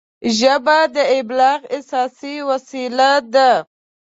ژبه د ابلاغ اساسي وسیله ده